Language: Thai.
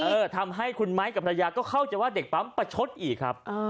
เออทำให้คุณไม้กับภรรยาก็เข้าใจว่าเด็กปั๊มประชดอีกครับ